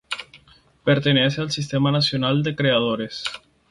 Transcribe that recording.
Pertenece al Sistema Nacional de Creadores.